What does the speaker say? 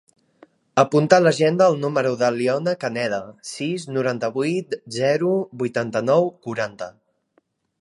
Apunta a l'agenda el número de l'Iona Caneda: sis, noranta-vuit, zero, vuitanta-nou, quaranta.